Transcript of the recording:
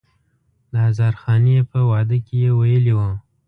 د هزار خوانې په واده کې یې ویلی و.